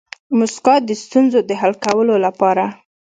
موسکا د ستونزو د حل کولو لپاره